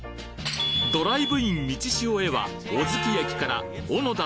ドライブインみちしおへは小月駅からおのだ